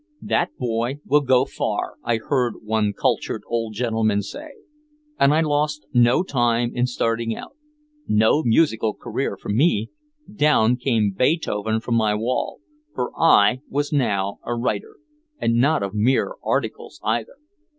"That boy will go far," I heard one cultured old gentleman say. And I lost no time in starting out. No musical career for me, down came Beethoven from my wall, for I was now a writer. And not of mere articles, either.